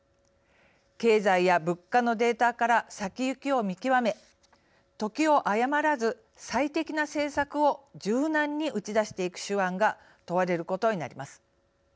経済や物価のデータから先行きを見極め時を誤らず最適な政策を柔軟に打ち出していく手腕が問われることになります。